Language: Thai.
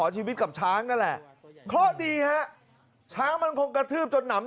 เจวกับช้างนั่นแหละ